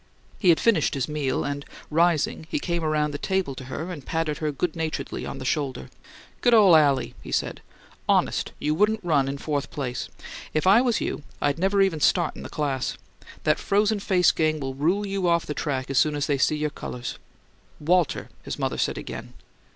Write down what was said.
He had finished his meal; and, rising, he came round the table to her and patted her good naturedly on the shoulder. "Good ole Allie!" he said. "HONEST, you wouldn't run in fourth place. If I was you I'd never even start in the class. That frozen face gang will rule you off the track soon as they see your colours." "Walter!" his mother said again.